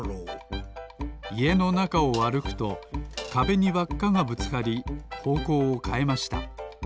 いえのなかをあるくとかべにわっかがぶつかりほうこうをかえました。